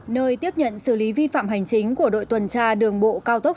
nơi tiếp nhận xử lý vi phạm hành chính của đội tuần tra đường bộ cao tốc